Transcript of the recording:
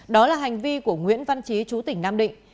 đó là hành vi của nguyễn văn trí chú tỉnh nam định